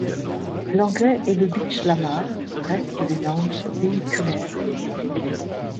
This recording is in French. L' Anglais et le Bichlamar restent les langues véhiculaires.